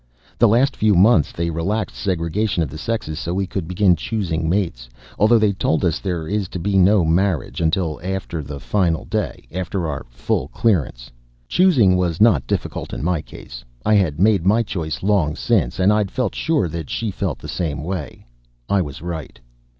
The last few months they relaxed segregation of the sexes so we could begin choosing mates, although they told us there is to be no marriage until after the final day, after our full clearance. Choosing was not difficult in my case. I had made my choice long since and I'd felt sure that she felt the same way; I was right.